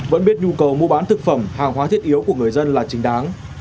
vẫn biết nhu cầu mua bán thực phẩm hàng hóa thiết yếu của người dân là chính đáng